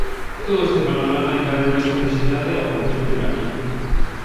Todo este panorama engade máis complexidade ao conflito iraquí.